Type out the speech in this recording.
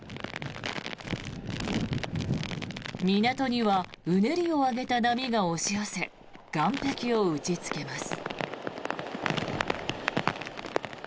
港にはうねりを上げた波が押し寄せ岸壁を打ちつけます。